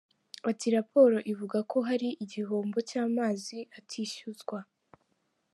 Ati “Raporo ivuga ko hari igihombo cy’amazi atishyuzwa.